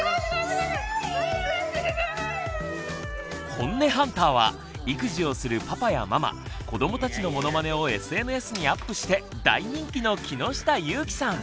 ホンネハンターは育児をするパパやママ子どもたちのモノマネをＳＮＳにアップして大人気の木下ゆーきさん。